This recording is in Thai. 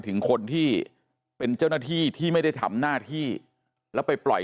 ถึงคนที่เป็นเจ้าหน้าที่ที่ไม่ได้ทำหน้าที่แล้วไปปล่อย